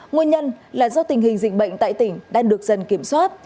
nguyên nhân là do tình hình dịch bệnh tại tỉnh đang được dần kiểm soát